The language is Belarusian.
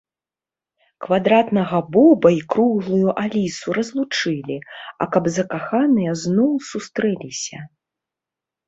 Квадратнага Боба і круглую Алісу разлучылі, а каб закаханыя зноў сустрэліся